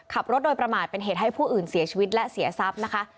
ขับรถโดยประมาทเป็นเหตุให้ผู้อื่นเสียชีวิตและเสียทรัพย์นะคะ